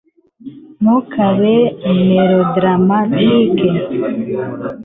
ntukabe melodramatike